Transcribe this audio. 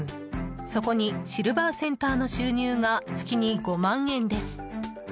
そこにシルバーセンターの収入が月に５万円です。